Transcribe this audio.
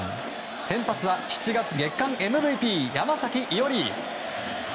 先発は７月、月間ＭＶＰ山崎伊織。